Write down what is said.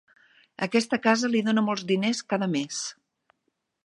Aquesta casa li dona molts diners cada mes.